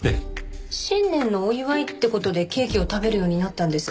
新年のお祝いって事でケーキを食べるようになったんです。